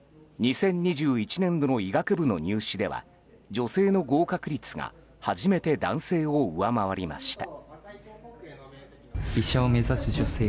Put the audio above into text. ２０２１年度の医学部の入試では女性の合格率が初めて男性を上回りました。